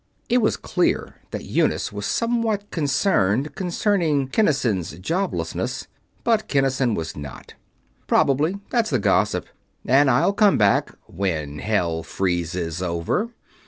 It was clear that Eunice was somewhat concerned concerning Kinnison's joblessness; but Kinnison was not. "Probably. That's the gossip. And I'll come back when hell freezes over."